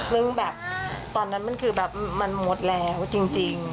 ซึ่งแบบตอนนั้นมันคือแบบมันหมดแล้วจริง